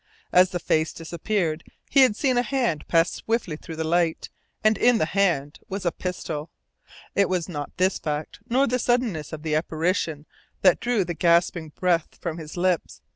As the face disappeared he had seen a hand pass swiftly through the light, and in the hand was a pistol. It was not this fact, nor the suddenness of the apparition, that drew the gasping breath from his lips.